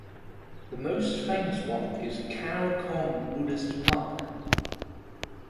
The most famous one is Khao Kong Buddhist Park.